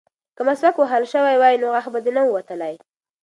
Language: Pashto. که مسواک وهل شوی وای نو غاښ به نه ووتلی.